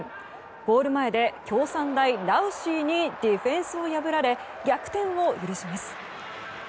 ゴール前で京産大、ラウシーにディフェンスを破られ逆転を許します。